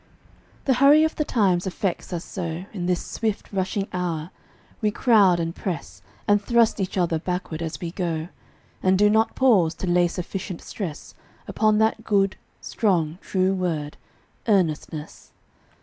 The hurry of the times affects us so In this swift rushing hour, we crowd and press And thrust each other backward as we go, And do not pause to lay sufficient stress Upon that good, strong, true word, Earnestness.